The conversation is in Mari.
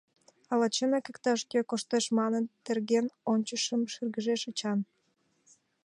— Ала чынак иктаж-кӧ коштеш манын, терген ончышым, — шыргыжеш Эчан.